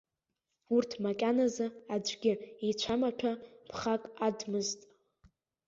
Урҭ макьаназы, аӡәгьы ицәамаҭәа ԥхак адмызт.